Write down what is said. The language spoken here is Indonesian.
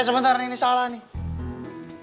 sebentar ini salah nih